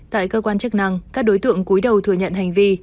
tại cơ quan chức năng các đối tượng cuối đầu thừa nhận hành vi